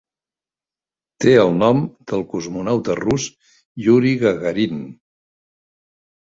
Té el nom del cosmonauta rus Yuri Gagarin.